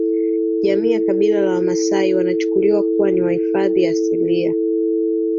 Jamii ya kabila la wamasai wanachukuliwa kuwa ni wahifadhi asilia